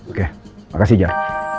oke makasih jar